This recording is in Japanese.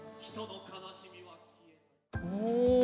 お。